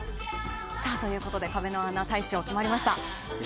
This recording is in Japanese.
ということで壁の穴大賞が決まりました。